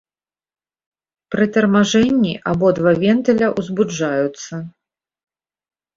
Пры тармажэнні абодва вентыля узбуджаюцца.